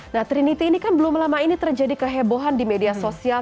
nah trinity ini kan belum lama ini terjadi kehebohan di media sosial